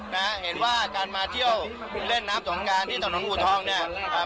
นะฮะเห็นว่าการมาเที่ยวเล่นน้ำสงการที่ถนนอูทองเนี่ยอ่า